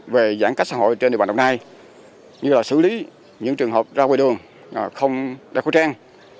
về giãn cách xã hội trên địa bàn đồng nai như là xử lý những trường hợp ra ngoài đường không đeo khẩu trang